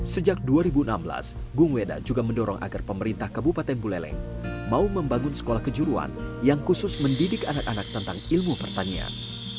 sejak dua ribu enam belas gung wedat juga mendorong agar pemerintah kabupaten buleleng mau membangun sekolah kejuruan yang khusus mendidik anak anak tentang ilmu pertanian